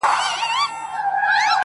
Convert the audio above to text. زما دي قسم په ذواجلال وي؛